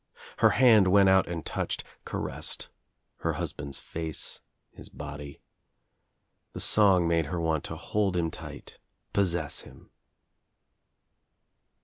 Her hand went out and touched, caressed her hus> band's face, his body. The song made her want to hold him tight, possess him.